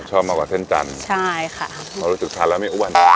ชอบมากกว่าเส้นจันทร์ใช่ค่ะเพราะรู้สึกทานแล้วไม่อ้วน